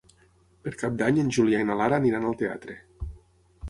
Per Cap d'Any en Julià i na Lara aniran al teatre.